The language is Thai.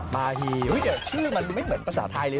มาฮีเดี๋ยวชื่อมันไม่เหมือนภาษาไทยเลย